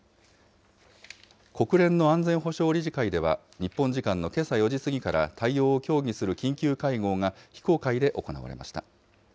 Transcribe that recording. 国連の安全保障理事会では、日本時間のけさ４時過ぎから対応を協議する緊急会合が非公開で行われました。